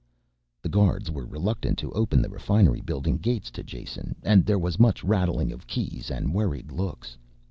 The guards were reluctant to open the refinery building gates to Jason, and there was much rattling of keys and worried looks.